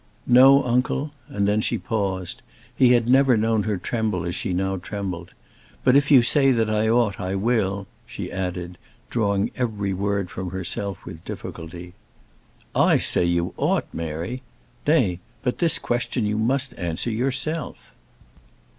"No, uncle," and then she paused; he had never known her tremble as she now trembled. "But if you say that I ought, I will," she added, drawing every word from herself with difficulty. "I say you ought, Mary! Nay; but this question you must answer yourself."